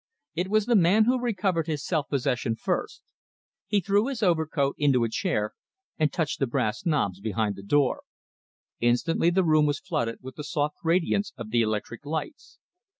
It was the man who recovered his self possession first. He threw his overcoat into a chair, and touched the brass knobs behind the door. Instantly the room was flooded with the soft radiance of the electric lights.